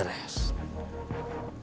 kalau kerjaanmu sudah beres